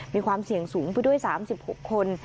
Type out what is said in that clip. มีความเสี่ยงสูงไปด้วย๓๖คน